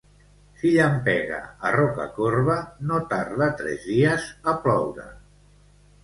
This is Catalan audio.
Si llampega a Rocacorba, no tarda tres dies a ploure.